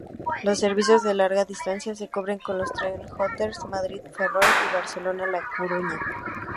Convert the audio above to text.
Los servicios de larga distancia se cubren con los Trenhotel Madrid-Ferrol y Barcelona-La Coruña.